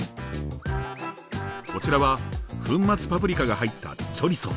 こちらは粉末パプリカが入ったチョリソー。